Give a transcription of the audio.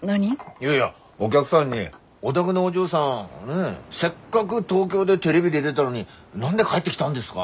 いやいやお客さんに「お宅のお嬢さんせっかぐ東京でテレビ出でだのに何で帰ってきたんですか？